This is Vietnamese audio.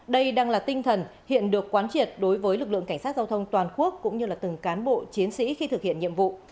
đây đang là tinh thần hiện được quán triệt đối với lực lượng cảnh sát giao thông toàn quốc cũng như từng cán bộ chiến sĩ khi thực hiện nhiệm vụ